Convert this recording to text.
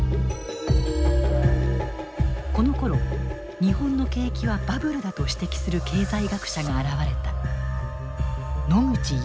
このころ日本の景気はバブルだと指摘する経済学者が現れた。